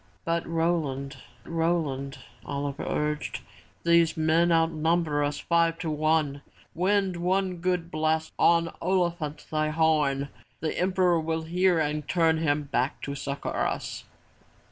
'' "But Roland, Roland,'' Oliver urged, "these men outnumber us five to one ! Wind one good blast on Ol'i phant, thy horn. The Emperor will hear and turn him back to succor us."